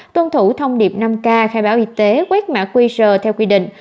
tuân thủ thông điệp năm k khai báo y tế quét mã qr theo quy định